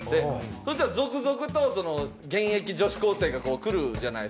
そしたら続々と現役女子高生が来るじゃないですか。